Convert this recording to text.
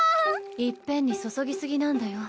いっぺんに注ぎ過ぎなんだよ。